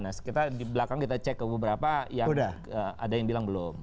nah kita di belakang kita cek ke beberapa yang ada yang bilang belum